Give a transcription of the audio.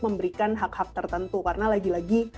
memberikan hak hak tertentu karena lagi lagi